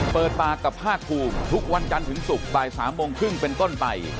เปิดปากกับภาคภูมิทุกวันจันทร์ถึงศุกร์บ่าย๓โมงครึ่งเป็นต้นไป